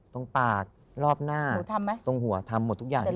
ตรงปากรอบหน้าหนูทำไหมตรงหัวทำหมดทุกอย่างที่